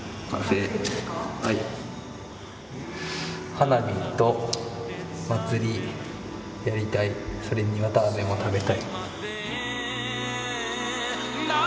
「花火と祭りやりたいそれに綿あめも食べたい」。